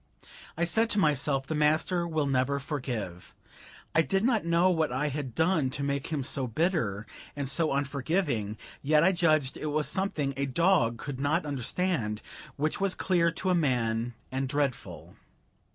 I said to myself, the master will never forgive. I did not know what I had done to make him so bitter and so unforgiving, yet I judged it was something a dog could not understand, but which was clear to a man and dreadful.